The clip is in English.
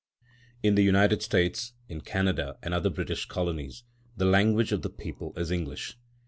In the United States, in Canada and other British Colonies, the language of the people is English.